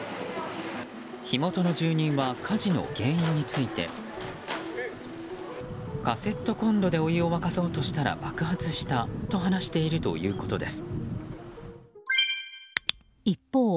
火元の住人は火事の原因についてカセットコンロでお湯を沸かそうとしたら爆発したと話しているということです。